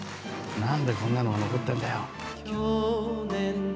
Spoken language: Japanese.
何でこんなのが残ってるんだよ。